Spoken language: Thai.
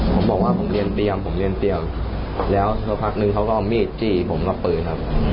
ผมบอกว่าผมเรียนเตรียมผมเรียนเตรียมแล้วสักพักนึงเขาก็เอามีดจี้ผมกับปืนครับ